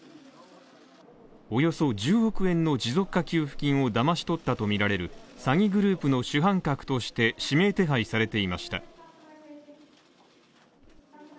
およそ１０億円の持続化給付金をだまし取ったとみられる詐欺グループの主犯格として指名手配されていました。